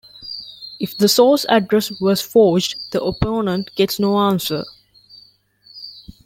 If the source address was forged, the opponent gets no answer.